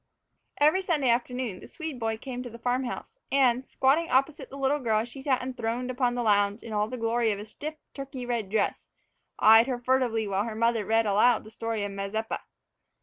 EVERY Sunday afternoon the Swede boy came to the farm house and, squatting opposite the little girl as she sat enthroned upon the lounge in all the glory of a stiff Turkey red dress, eyed her furtively while her mother read aloud the story of Mazeppa.